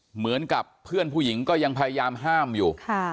เหมือนกับเพื่อนผู้หญิงก็ยังพยายามห้ามอยู่